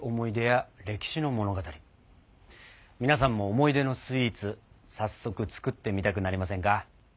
皆さんも思い出のスイーツ早速作ってみたくなりませんか？